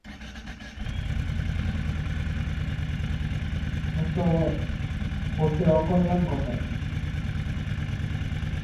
ওতে অকল্যাণ ঘটায়।